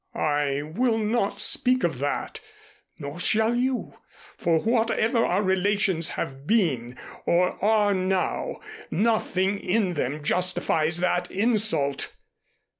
I will not speak of that, nor shall you, for whatever our relations have been or are now, nothing in them justifies that insult.